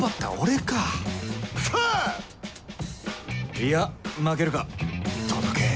いや負けるか届け